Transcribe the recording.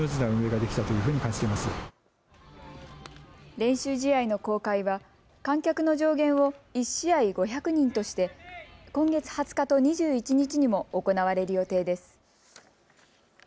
練習試合の公開は観客の上限を１試合５００人として今月２０日と２１日にも行われる予定です。